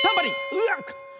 うわっ！